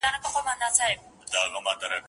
د ویده اولس تر کوره هنګامه له کومه راوړو